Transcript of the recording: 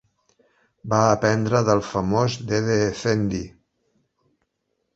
Va aprendre del famós Dede Efendi.